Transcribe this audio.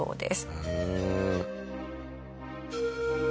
へえ。